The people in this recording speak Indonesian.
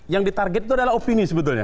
yang ditarget itu adalah opini sebetulnya